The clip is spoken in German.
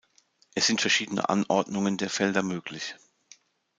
Es sind verschiedene Anordnungen der Felder möglich.